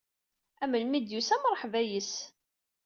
A melmi i d-yusa, mṛeḥba yis-s.